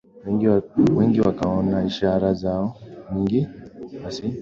wengi wakaona ishara zao nyingi basi nao wakauza mali zao